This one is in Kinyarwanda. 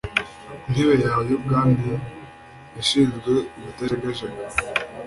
intebe yawe y'ubwami yashinzwe ubutajegajega